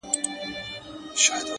دا غمى اوس له بــازاره دى لوېـدلى ـ